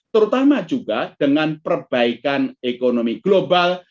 terutama juga dengan perbaikan ekonomi global